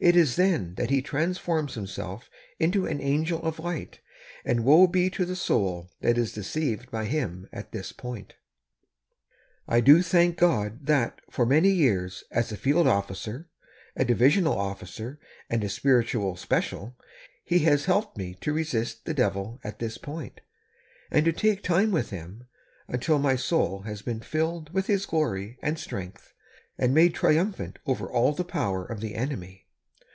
It is then that he transforms himself into an angel of light, and woe be to the soul that is deceived by him at this point ! I do thank God that, for many years, as a Field Officer, a Divisional Officer, and a Spiritual Special, He has helped me to resist the devil at this point, and to take time with Him until my soul has been filled with His glory and strength, and made triumphant over all the power of the enemy.